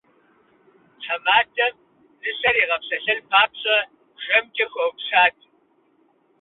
Тхьэмадэм нысэр игъэпсэлъэн папщӏэ жэмкӏэ хуэупсат.